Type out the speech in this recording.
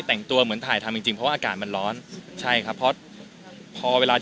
สัดสั้นคิวก็ไม่ได้คิดว่า